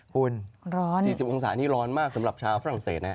คุณร้อน๔๐องศานี่ร้อนมากสำหรับชาวฝรั่งเศสนะ